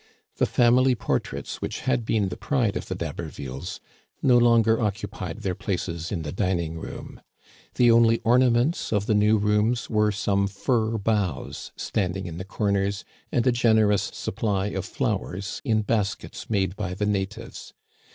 The family portraits, which had been the pride of the D'Habervilles, no longer occupied their places in the dining room ; the only ornaments of the new rooms were some fir boughs standing in the comers and a generous supply of flow ers in baskets made by the natives.